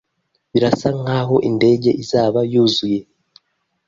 Birasa nkaho indege izaba yuzuye?